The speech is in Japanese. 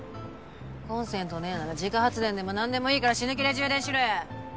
コンセントねぇなら自家発電でもなんでもいいから死ぬ気で充電しろや。